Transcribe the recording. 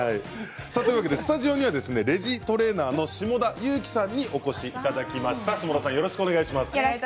スタジオにはレジトレーナーの下田友樹さんにお越しいただきました。